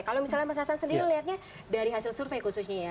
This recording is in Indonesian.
kalau misalnya mas hasan sendiri melihatnya dari hasil survei khususnya ya